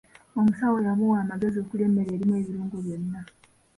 Omusawo yamuwa amagezi okulya emmere erimu ebirungo byonna.